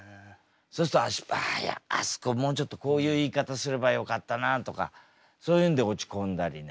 そうすると「あああそこもうちょっとこういう言い方すればよかったな」とかそういうんで落ち込んだりね。